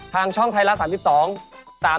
ทางช่องไทรละ๓๒